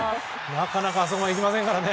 なかなかあそこまで行きませんからね。